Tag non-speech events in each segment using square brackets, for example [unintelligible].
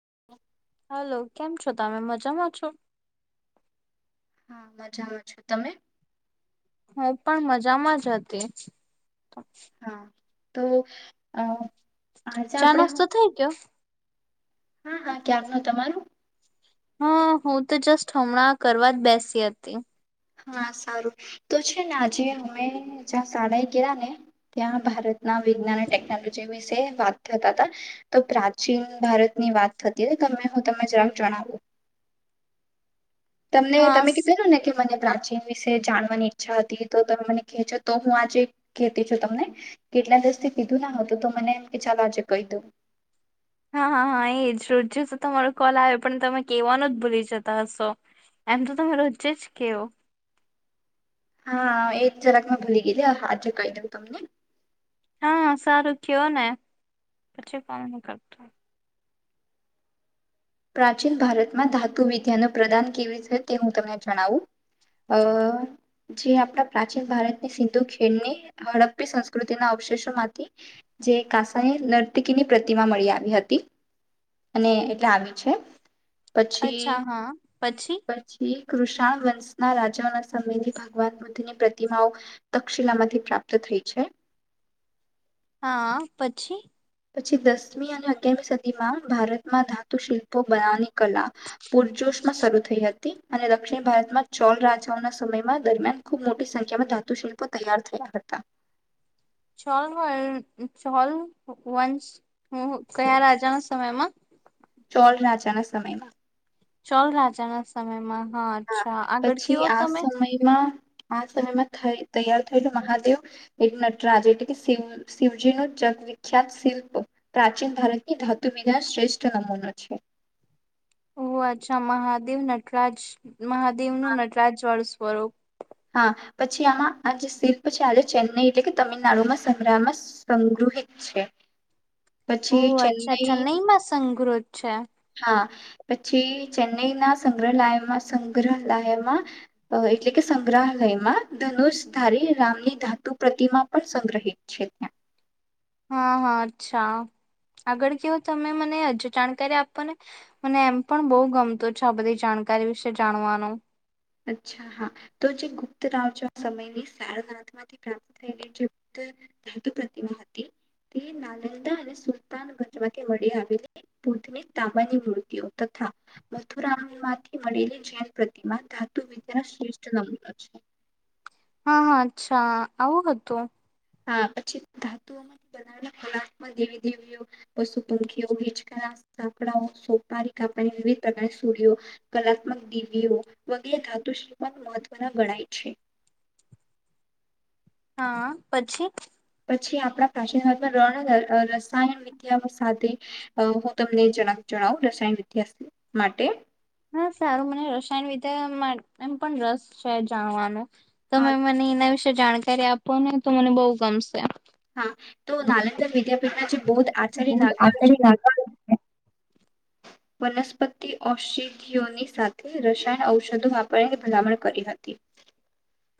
[inaudible] Hello કેમ છો તમે મજામાં છો. હા મજામાં છો તમે. હું પણ મજામાં જ હતી. હા તો અ આજે ચા આપણે હું નાસ્તો થઈ કયો. હા હા ક્યાંક ન તમારું હમ હું તો જસ્ટ હમણાં કરવા જ બેસી હતી. હા સારું તો છ આજી મે જાતે સાળાઈ ગયા ને ત્યાં ભારતના વિજ્ઞાન અને ટેકનોલોજી વિશે વાત થતા હતા તો પ્રાચીન ભારતની વાત થતી હતી તમે હું તમને જરાબ જણાવું. તમને હા તમે કીધેું ને કે મને પ્રાચીન વિશે જાણવાની ઈચ્છા હતી તો તમે મને કહે છો તો હું આજે કહતી છું તમને કેટલા દીવસ થી કીધું ના હતું તો મને એમ કે ચાલો આજે કહી દઉ. હા હા એ જ રોજે તો તમારો કોલ આવ પણ તમે કવાનો જ ભૂલી જતા હશો એમ તો તમે રોજે જ કેવો. હા એજ જરાક મે ભૂલી ગીધ હાજે કહી દઉં તમને. હા સારું કયો ને પછી કોમ ન કરતું. પ્રાચીન ભારતમાં ધાતુ વિદ્યા ન પ્રદાન કેવી છે તે હું તમને જણાવું અ જે આપણા પ્રાચીન ભારતની સિંધુ ખેણની હડપી સંસ્કૃતિના અવશેષોમાંથી જે કાસની નર્તીકીની પ્રતિમા મળી આવી હતી અને એટલે આવી છે. અચ્છા પછી હા પછી પછી. કૃષણ વંશના રાજાના સમયથી ભગવાન બુદ્ધની પ્રતિમાઓ તક્ષિલામાંથી પ્રાપ્ત થઈ છે. હા પછી. પછી દસમી અને અગિયારમી સદી માં ભારતમાં ધાતુ શિલ્પો બનાવની કલા પૂરજોશ માં શરૂ થઈ હતી. તી અને દક્ષિણ ભારતમાં ચોલ રાજાઓના સમયમાં દરમિયાન ખૂબ મોટી સંખ્યામાં ધાતુ શિલ્પો તૈયાર થયા હતા. છોલ છોલ વંશ હ કયા રાજાના સમયમાં ચોલ રાજાના સમયમાં. ચૌલ રાજાના સમયમાં. હા અચ્છા આગળ કેવો પછી આ તમે સમયમાં આ સમયમાં થ તૈયાર થયેલું મહાદેવ એક નટરાજ એટલે કે શિવ શિવજી ન જગવખ્યાત શિલ્પ પ્રાચીન ભારતની ધાતુ વિિદ શ્રેષ્ઠ નમૂનો છે ઓહ અચ્છા મહાદેવ નટરાજ મહાદેવ નું નટરાજ વાળ કર હા પછી આમાં આ જે શિલ્પ છે આજે ચેન્નઈ એટલે કે તમિલનાડુમાં સંગ્રામમાં સંગ્રહિત છે પછી ઓહ અચ્છા ચેન્નઈ અચ્છા નહીમાં સંગ્રત અચ્છા હા પછી ચેન્નઈના સંગ્રહાલયમાં સંગ્રહાલયમાં એટલે કે સંગ્રહાલયમાં ધનુષ ધારી રામની ધાતુ પ્રતિમા પણ સંગ્રહિત છે ત્યાં હા હા અચ્છા આગળ કયોો તમે મને હજ જાણકારી આપોને મને એમ પણ બહુ ગમતું છેો આ બધી જાણકારી વિશે જાણવાનો તો જે ગુપ્તરાવ સમયની સારનાથમાંથી પ્રાપ્ત થયેલી જે ગ્ત ધાતુ પ્રતિમા હતી તે નાલંદા અને સુલતાન ભવા વી આવેલી બુધની તાંબાની મૂર્તિઓ તથા મથુરામ માંથી મળેલી જૈન પ્રતિમા ધાતુ વિચાર શ્રેષ નમ હા હા અચ્છા આવું હતું હા પછી ધાતુઓમાંથી બવે કલાત્મક દેવી દેવીઓ પશુ પંખીઓ હેચકાલા સાકડાઓ સોપારી કાપાની વિવિધ પ્રકારની સુૂળઓ કલાત્મક દેવીઓ વગેરે ધાતુ શ્રી પણ મહત્વના ગણાય છે હા પછી પછી આપણા પ્રાચીનર્ગ રણ રસાયણ વિદ્યા સાથે હું તમને જણાવ રસાયણ વિદ્યા માટે હા સારું મને રસાયણ રીતે એમ પણ રસ છે જાણવાનો તો હા મને એના વિશે જાણકારી આપો ને તો મને બઉુ ગમશે હા તો નાલંદા વિદ્યાપીઠના જે બૌદ્ધ આચાર્ય લાગા આશ્ચર્ય છ ને લાગવાનું છે. વનસ્પતિ ઔષધિઓની સાથે રસાયણ ઔષધો વાપરીને ભલામણ કરી હતી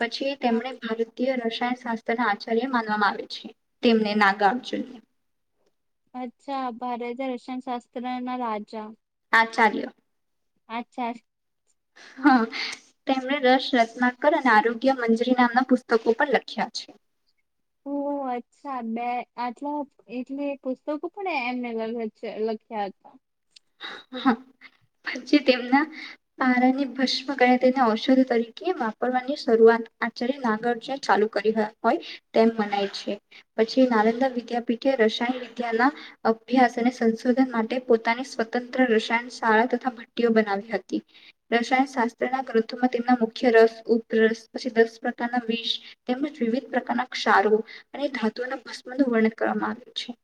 પછી તેમણે ભારતીય શાસ્ત્ર ના આચાર્ય માનવામાં આવે છે તેમને નાગા અર્જુનને અચ્છા ભારતે રશિયન શાસ્ત્ર ના રાજા આાચાર્યો અચ્છા હ તેમણે રસ રત્નાકર અને આરોગ્ય મંજરી નામના પુસ્તકો પર લખ્યા છે ઓ અચ્છા બે આટલા એટલી પુસ્તકો પણ એમને લખ્યા હતા પછી તેમના પારાને ભસ્મ ગ તેને ઔષધ તરીકે વાપરવાની શરૂઆત આચાર્ય નાગર ચાલુ કરી હોય તેમ મનાય છે પછી નાલંદા વિદ્યાપીઠ એ રસાયણ વિદ્યાના અભ્યાસ અને સંશોધન માટે પોતાની સ્વતંત્ર રસાયણ શાળા તથા ભટ્ટીઓ બનાવી હતી રસાયણ શાસ્ત્રના ગ્રંથોમાં તેમના મુખ્ય રસ ઉપરસ પછી દસ પ્રકારના વિષ તેમજ વિવિધ પ્રકારના ક્ષારો અને ધાતુઓના ભસ્મનું વર્ણન કરવામાં આવ્યું છે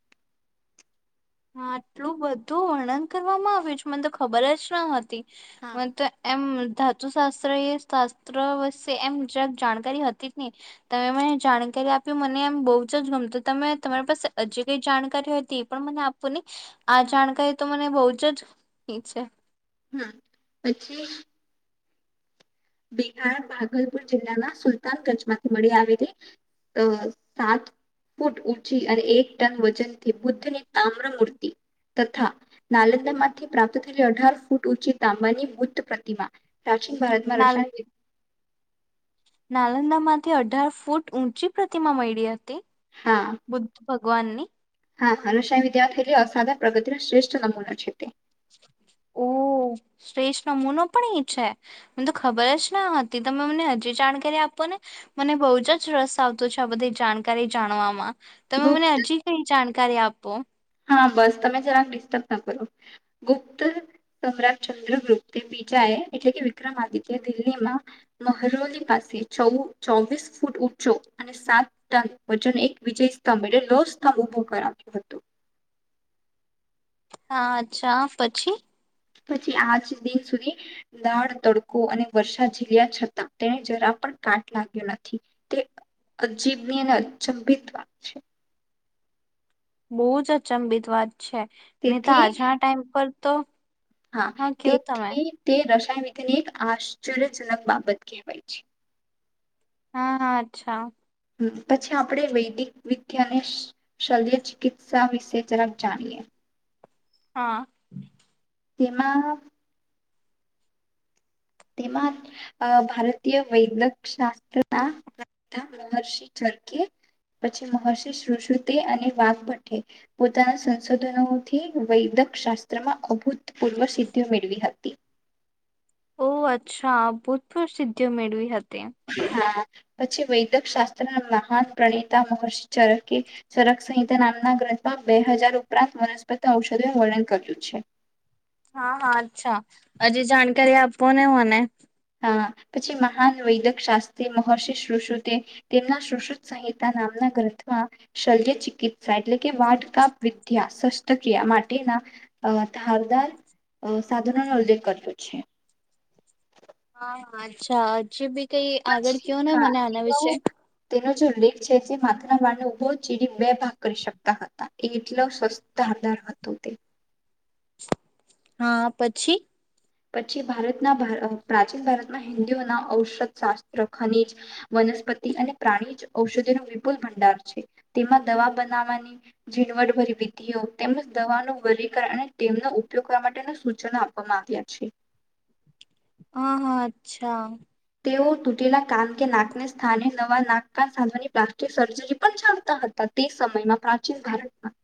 હા આટલું બધું વર્ણન કરવામાં આવ્યું છે મને તો ખબર જ ન હતી હા મત એમ ધાતુ શાસ્ત્ર એ શાસ્ત્ર વે એમ જરાક જાણકારી હતી જ ને તમે મને જાણકારી આપ્યું મને એમ બહુ જ જ ગમતું તમે તમારી પાસે હજી કઈ જાણકારી હો હતી એ પણ મને આપને આ હા જાણકારી ત મને બહુ જ જ ઈ છે હમ પછી બિહાર ભાગલપુર જિલ્લાના સુલતાનગંજ માંથી મળી આવેલી સાત ફૂટ ઊંચી અને એક ટન વજનથી બુદ્ધની તામ્ર મૂર્તિ તથા નાલંદામાંથી પ્રાપ્ત થયેલી અઢાર ફૂટ ઊંચી તાંબાની બુદ્ધ પ્રતિમા પ્રાીન ભારતમાં [inaudible] નાલંદા માંથી અઢાર ફૂટ ઊંચી પ્રતિમા મળી હતી હા બુદ્ધ ભક્ત ગવાની હા હનુસય વિદ્યાર્થીલી અસાધા પ્રગતિર શ્રેષઠ નમૂના છે તે ઓ શ્રેષ્ઠ નમૂનો પણ એ છે મને તો ખબર જ ના હતી તમે મને હજી જાણકારી આપો ને મને બહ જ જ રસ આવતો છે આ બધી જાણકારી જાણવામાં તમે મને ગુપ્ત આજી ક જાણ કર્યા આપ હા બસ તમે જરાક ડિસ્ટર્બ ના કરો ગુપ્ત સમ્રાટચંદ્ર ગુપ્તે બીજા એ એટલે કે વિક્રમ આદિત્ય દિલ્હીમાં મહરોલી પાસે ચૌ ચોવીસ ફૂટ ઊંચો અને સાત ટન વજન એક વિજય સ્તંભ એલે લો સ્તંભ ઉભો કરખ્યો હતો હા અચ્છા પછી પછી આજ દિન સુધી દાળ તડકો અને વર્ષા ઝીલ્યા છતાં તેને જરા પણ કાટ લાગ્યો નથી તે અજીબની અને અચંભિત વાત છે બહુ જ અચંબિત વાત છે નહી તો તેથી આજના ટાઈમ પર તો હા કયો તમે તેથી તે ર ધને એક આશ્ચર્યજનક બાબત કહેવાય છે હા હા અચ્છા પછી આપણે વૈદિક વિદ્યા અને શલ્ય ચિકિત્સા વિશે જલફ જાણીએ હા તેમાં તેમાં ભારતીય વૈદક શાસ્ત્રના પ્ર મહર્ષિ ચરકે પછી મહર્ષિ સુશ્રુતે અને વાઘભટ્ટઠે પોતાના સંશોધનોથી વૈદક શાસ્ત્રમાં અભૂતપૂર્વ સિદ્ધિ મેળવી હતી કચ્છા ભૂતપૂર સિદ્ધિઓ મેળવી હતી હા પછી વૈદક શાસ્ત્રના મહાન પ્રણીતા મહર્ષિ ચરકે ચરક સંહિતા નામના ગ્રંથમાં બે હજાર ઉપરાંત વનસ્પતિ ઔષધોનું વર્ણન કર્યું છે હા હા અચ્છા હજી જાણકારી આપો ને હું મને પછી મહાન વૈદક શાસ્ત્રી મહર્ષિ શશ્રુતે તેમના શશ્રુત સંહિતા નામના ગ્રંથમાં શલ્ય ચિકિત્સા એટલે કે વાડ કા વિધ્યાાસ શસ્ત્રક્રિયા માટેના ધારદાર સાધનોનોો ઉલ્લેખ કર્યો છે હા હા અચ્છા હજીબી કઈ આગળ પછી કયોો ને હા મને આના તેનો વિશે તેનો જે છે જે માત્ર વાળને ઉભો ચીડી બે ભાગ કરી શકતા હતા એ એટલો સસ્તાદાર હતો તે હા પછી પછી ભારતના પ્રાચીન ભારતમાં હિન્દુઓના ઔષધ શાસ્ત્ર ખનીજ વનસ્પતિ અને પ્રાણી જ ઔષધિ ન વિપુલ ભંડાર છે તેમાં દવા બનાવવાની ઝીણવટભરી વિધિઓ તેમજ દવાનું વગકરણ અને તેમનો ઉપયોગ કરવા માટેના સૂચનો આપવામાં આવ્યા છી હા હા અચ્છા તેઓ તૂટેલા કાન કે નાકને સ્થાને નવા નાક કાન સાધવાની પ્લાસ્ટિક સર્જરી પણ ચાલતા હતા તે સમયમાં પ્રાચીન ભારતમાં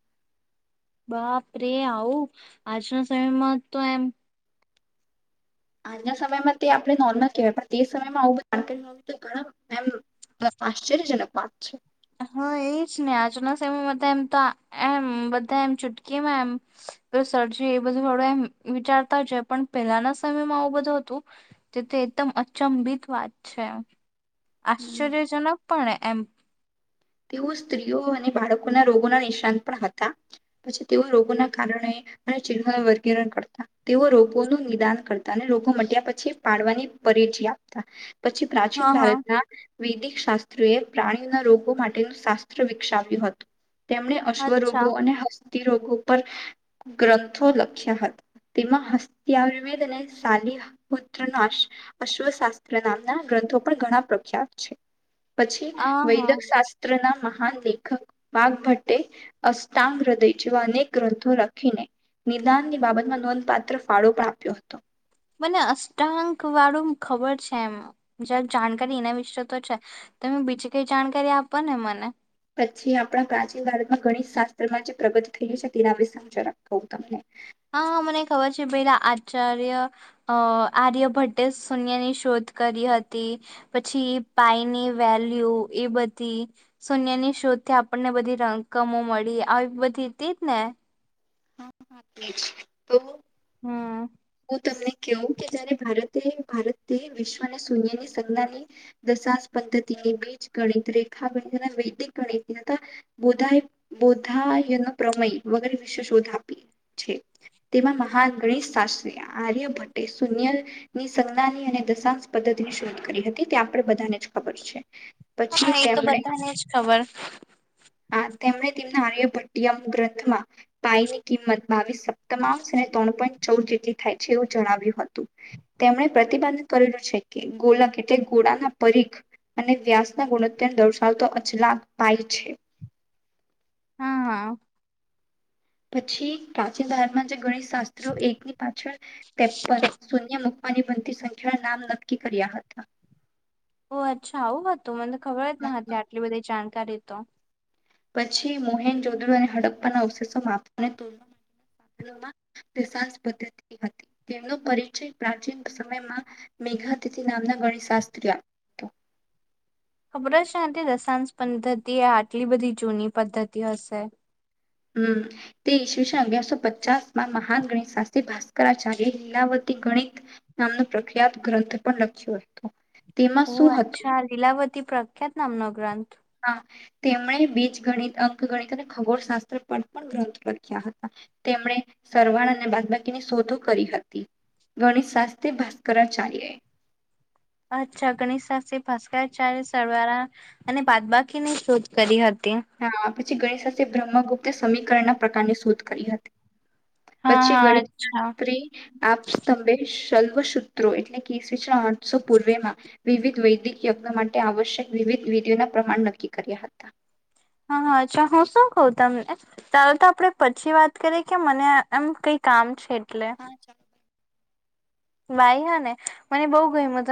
બાપરે આવું આજના સમયમાં તો એમ આજના સમયમાં તે આપણે નોર્મલ કવાય પણ તે સમયમાં આવુંધ જાણકારે તો ઘણા એમ આશ્ચર્યજનક વાત છે હા એ જ ને આજના સમયમાં એમ તો એમ બધા એમ ચૂટકીમાં એમ સરજી એ બધું થડું એમ વિચારતા છે પણ પહેલાના સમયમાં આવું બધું હતું તેથી એકદમ અચંભિત વાત છે એમ આશ્ચર્ય જનક પણણે એમ તેઓ સ્ત્રીઓ અને બાળકોના રોગોના નિશાન પણ હતા પછી તેઓ રોગોના કારણે અને ચિનો વર્ગીરણ કરતા તેઓ રોગોનું નિદાન કરતા અને રોગો મટ્યા પછી પાડવાની પરેચ આપતા પછી પ્રાચીન હા હા ભારતના વૈદિક શાસ્ત્રએ પ્રાણીઓના રોગો માટ ટે શાસ્ત્ર વિકક્ષાવ્યું હતું. તેમને અચ્છા અશ્વરોગો અને હસ રોગો પર ગ્રંથો લખ્યા હતા. તેમાં હસ્ત આયુર્વેદ અને શલીત્ર અશ્વશાસ્ત્ર નામના ગ્રંથો પણ ઘણા પ્રખ્યાત છે. પછી આ હા વૈદક શાસ્ ત્ર ના મહાન લેખક વાઘભટ્ટે અષ્ટાંગ હૃદય જેવા અનેક ગ્રંથો લખીને નિદાનની બાબતમાં નોંધપાત્ર ફાળો પણ આપ્યો હતો. મને અષ્ટાંક વાળું ખબર છે એમ જ જાણકારી એના વિશે તો છે તમે બીજી કઈ જાણકારી આપો ને મને. પછી આપણા પ્રાચીન ભારતમાં ગણિત શાસ્ત્રમાં જે પ્રગતિ થયલી છે તેના વિશે સમજો હું તમને. હા હા મને ખબર છે પેલા આચાર્ય અ આર્ય ભટ્ટે શૂન્ય ની શોધ કરી હતી, પછી પાાયની વેલ્યુ એ બધી, શૂન્યની શોધથી આપણને બધી રકમો મળી આવી બધી હતી જ ને. હા હા તે જ તો હમ હું તમને કેવું કે જયારે ભારત તે ભારતે વિશ્વને શૂન્યની સંજ્ઞાની દશાશ પદ્ધતિની બીજ ગણિત રેખા ગણિત વૈદિક ગણિત તથા બોધાય બોધયનપ્રય વગરે વિશે શોધ આપી છે. તેમાં મહાન ગણેશ શાસ આર્ય ભટ્ટએ શૂન્ય ની સંજ્ઞાની અને દશાંશ પદ્ધતિ ની શોધ કરી હતી તે આપણે બધાને જ ખબર છે. પછી હા એ તો તેમણે બધાને જ ખબર. આ તેમણે તેમના આર્યભટ્ટિયામ ગ્રંથમાં પાયની કિંમત બાવીસક તમામ સને ત્રણ પણ ચૌથીથી થાય છે એવું જણાવ્યું હતું. તેમણે પ્રતિપાદન કરેલું છે કે ગોલક એટલે ગોડાના પરીખ અને વ્યાસના ગુણોત્તર દર્શાવતો અચલાક પાય છે. હા હા. પછી પ્રાચીન ભારતમાં જે ગણિત શાસ્ત્રો એકની પાછળ તેપન શૂન્ય મુક્ત મુકવાની બધી સંખ્યા નામ નક્કી કર્યા હતા. ઓ અચ્છા આવું હતું. મતબ ખબર જ ન હતી આટલી બધી જાણકારી તો. પછી મોહેન જોધુ અને હડપ્પાના અવશેષો માપવાનેધમાં [inaudible] દશાંશ પદ્ધતિ હતી તેમનો પરિચય પ્રાચીન સમયમાં મેઘાતિથિ નામના ગણિત શાસ્ત્રી હતો. ખબર છે આ હતી દશાંશ પદ્ધતિ એ આટલી બધી જૂની પદ્ધતિ હશે. હમ્મ, તે ઈસવીસન અગિયારસો પચાસમાં મહાન ગણિત શાસ્ત્રી ભાસ્કરાચાર્ય લીલાવતી ગણિત નામનો પ્રખ્યાત ગ્રંથ પણ લખ્યો હતો. તેમાં ઓહ શું હતું અચ્છા લીલાવતી પ્રખ્યાત નામનો ગ્રંથ. હા તેમણે બીજ ગણિત, અંક ગણિત અને ખગોળ શાસ્ત્ર પર પણ ગ્રંથ લખ્યા હતા. તેમણે સરવાળ અને બાદબાકીની શોધો કરી હતી ગણિત શાસ્ત્રી ભાસ્કરાચાર્યએ. અચ્છા ગણિત શાસ્ત્ર ભાસ્કરાચાર્ય સરવારા અને બાદ બાકી ની શોધ કરી હ હા. ગણેશ શાસ્ત્રી બ્રહ્મગુપ્ત સમીકરના પ્રકારની શોધ કરી હતી. હા પછી હા અચ્છા ગણિતત્રી આપ સ્તંભેશ ચલ્વસૂત્રો એટલે કે [unintelligible] પૂર્વેમાં વિવિધ વૈ યજ્ઞ માટે આવશ્યક વિવિધ વિધિઓના પ્રમાણ નક્કી કર્યા હતા હા હ અચ્છા હું શું કઉ તમને ચાલ તો આપણે પછી વાત કરીએ કે મને એમ કઈ કામ છે. હા ચાલો બાઈ હા ને મને બઉ ગયમુ ત